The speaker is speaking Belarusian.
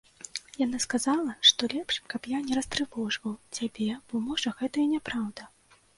Яна сказала, што лепш, каб я не растрывожваў цябе, бо, можа, гэта і няпраўда.